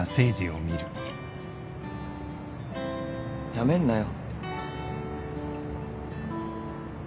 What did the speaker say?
辞めんなよ。